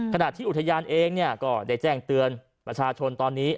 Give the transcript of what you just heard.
ขณะที่อุทยานเองก็ได้แจ้งเตือนประชาชนตอนนี้